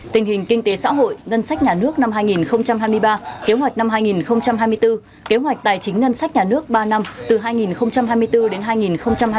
tình hình kinh tế xã hội ngân sách nhà nước năm hai nghìn hai mươi ba kế hoạch năm hai nghìn hai mươi bốn kế hoạch tài chính ngân sách nhà nước ba năm từ hai nghìn hai mươi bốn đến hai nghìn hai mươi năm